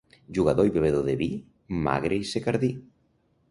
Jugador i bevedor de vi, magre i secardí.